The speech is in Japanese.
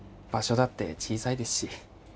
場所だって小さいですし。